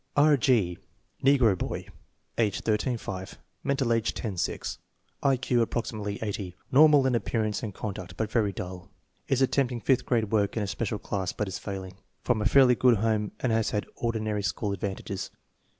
R. G. Negro boy, age 13 5; mental age 10 6; I Q approximately 80. Normal in appearance and conduct, but very dull. Is attempt ing fifth grade work in a special class, but is failing. Prom a fairly good home and has had ordinary school advantages.